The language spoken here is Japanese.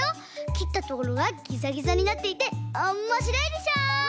きったところがギザギザになっていておもしろいでしょ。